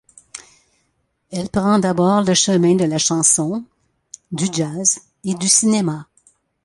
Elle prend d'abord le chemin de la chanson, du jazz et du cinéma.